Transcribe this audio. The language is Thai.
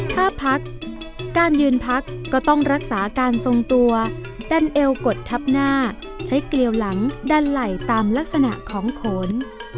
ถ้าพักการยืนพักก็ต้องรักษาการทรงตัวดันเอวกดทับหน้าใช้เกลียวหลังดันไหล่ตามลักษณะของโขน